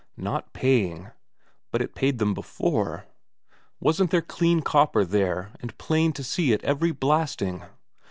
Not paying? But it paid them before? Wasn't there clean copper there and plain to see at every blasting?